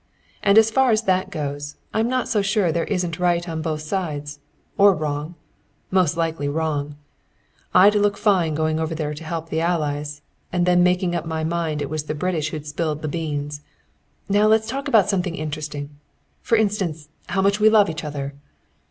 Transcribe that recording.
"And as far as that goes, I'm not so sure there isn't right on both sides. Or wrong. Most likely wrong. I'd look fine going over there to help the Allies, and then making up my mind it was the British who'd spilled the beans. Now let's talk about something interesting for instance, how much we love each other."